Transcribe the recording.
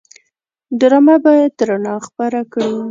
ډرامه باید رڼا خپره کړي